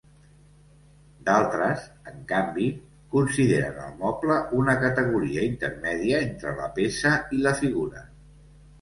D'altres, en canvi, consideren el moble una categoria intermèdia entre la peça i la figura.